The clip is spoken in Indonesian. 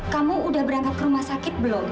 kamu udah berangkat ke rumah sakit belum